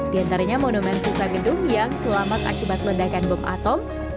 di antaranya monumen sisa gedung yang selamat akibat ledakan bom atom